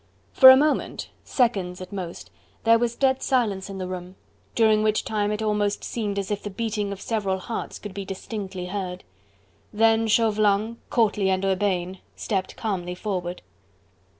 For a moment seconds at most there was dead silence in the room, during which time it almost seemed as if the beating of several hearts could be distinctly heard. Then Chauvelin, courtly and urbane, stepped calmly forward.